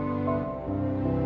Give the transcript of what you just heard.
oh banyak ada